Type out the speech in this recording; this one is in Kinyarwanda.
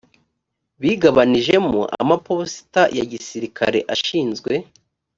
bigabanijemo amaposita ya gisirikare ashinzwe